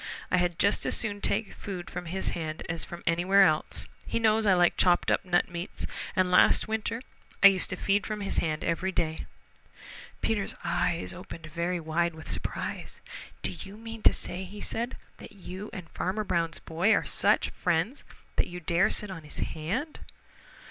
I had just as soon take food from his hand as from anywhere else. He knows I like chopped up nut meats, and last winter I used to feed from his hand every day." Peter's eyes opened very wide with surprise. "Do you mean to say," said he, "that you and Farmer Brown's boy are such friends that you dare sit on his hand?"